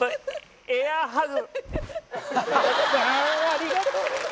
ありがとう！